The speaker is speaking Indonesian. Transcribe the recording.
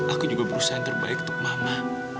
aku juga berusaha yang terbaik untuk mama